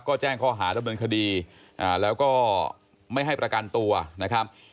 ก็แจ้งข้อหาดำเนินคดีแล้วก็ไม่ให้ประกันตัวนะครับ